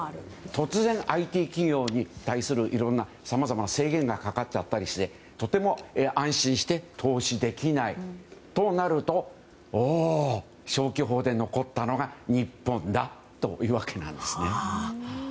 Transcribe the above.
突然、ＩＴ企業に対してさまざまな制限がかかったりしてとても安心して投資できないとなるとおお、消去法で残ったのが日本だというわけなんですね。